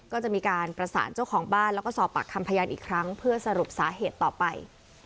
ก็จะมีการประสานเจ้าของบ้านแล้วก็สอบปากคำพยานอีกครั้งเพื่อสรุปสาเหตุต่อไป